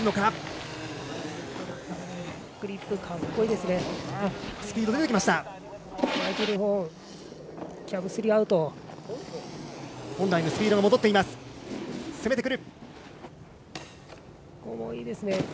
格好いいですね。